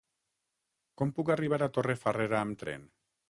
Com puc arribar a Torrefarrera amb tren?